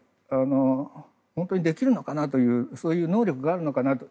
本当にできるのかなとそういう能力があるのかなと。